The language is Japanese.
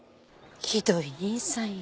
ひどい兄さんや。